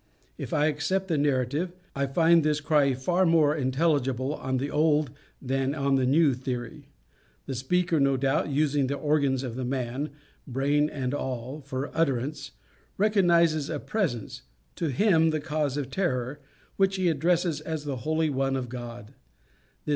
If I accept the narrative, I find this cry far more intelligible on the old than on the new theory. The speaker, no doubt using the organs of the man, brain and all, for utterance, recognizes a presence to him the cause of terror which he addresses as the Holy One of God.